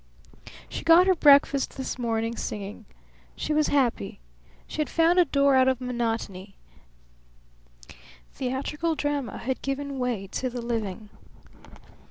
She got her breakfast this morning, singing. She was happy. She had found a door out of monotony; theatrical drama had given way to the living.